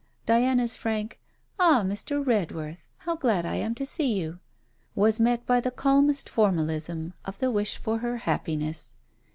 Diana's frank: 'Ah, Mr. Redworth, how glad I am to see you!' was met by the calmest formalism of the wish for her happiness.